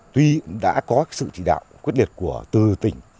tuy đã có sự chỉ đạo quyết liệt của từ tỉnh